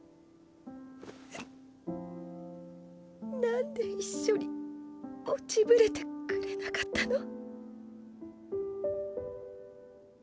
なんで一緒に落ちぶれてくれなかったの？